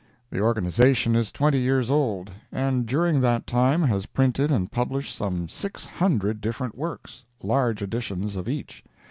The organization is twenty years old, and during that time has printed and published some six hundred different works—large editions of each.